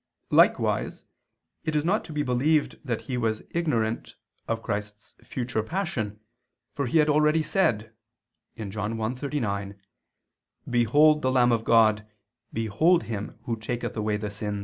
Likewise it is not to be believed that he was ignorant of Christ's future Passion, for he had already said (John 1:39): "Behold the Lamb of God, behold Him who taketh away the sins [Vulg.